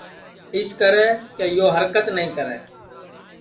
اِسکرے کہ یو ہرکت نائی کرے